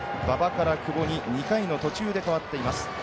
馬場から久保に２回の途中で代わっています。